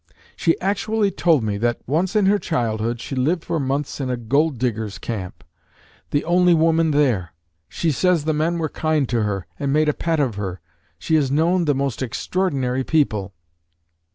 She actually told me, that, once in her childhood, she lived for months in a gold diggers' camp, the only woman there. She says the men were kind to her, and made a pet of her. She has known the most extraordinary people."